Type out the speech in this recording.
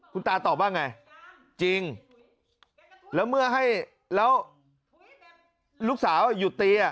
คุณตาตอบว่าไงจริงแล้วเมื่อให้แล้วลูกสาวหยุดตี